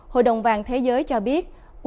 hội đồng vàng thế giới cho biết